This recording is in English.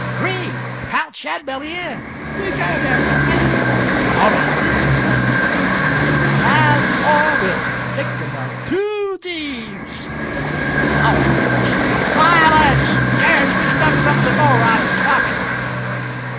"Three! count Shadbelly in we can't have too many!" "All right Billson's elected!" "Alas, poor Wilson! victim of two thieves!" A Powerful Voice. "Silence! The Chair's fished up something more out of its pocket."